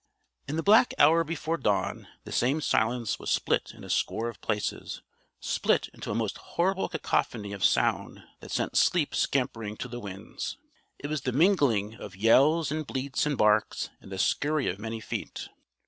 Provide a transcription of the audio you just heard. In the black hour before dawn, that same silence was split in a score of places split into a most horrible cacophony of sound that sent sleep scampering to the winds. It was the mingling of yells and bleats and barks and the scurry of many feet.